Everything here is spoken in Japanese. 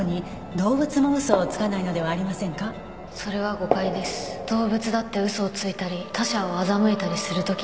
動物だって嘘をついたり他者を欺いたりする時がある。